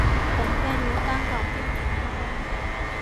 本片由担纲编剧和导演。